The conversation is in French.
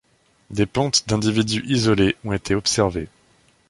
Des pontes d'individus isolés ont été observées.